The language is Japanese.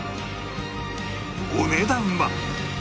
お値段は？